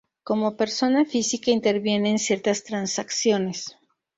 Como persona física interviene en ciertas transacciones.